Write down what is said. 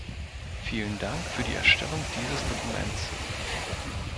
Vielen Dank für die Erstellung dieses Dokuments.